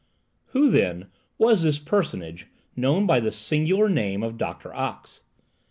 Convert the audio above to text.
Who, then, was this personage, known by the singular name of Doctor Ox?